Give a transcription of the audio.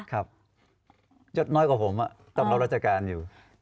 ครับยดน้อยกว่าผมต้องรับราชการอยู่